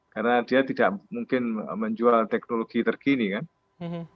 karena dia tidak mungkin menjual teknologi terkini kan